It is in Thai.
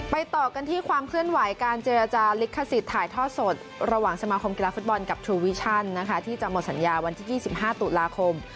ต่อกันที่ความเคลื่อนไหวการเจรจาลิขสิทธิ์ถ่ายทอดสดระหว่างสมาคมกีฬาฟุตบอลกับทรูวิชั่นนะคะที่จะหมดสัญญาวันที่๒๕ตุลาคม